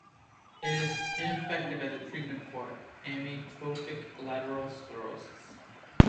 It is ineffective as a treatment for amyotrophic lateral sclerosis.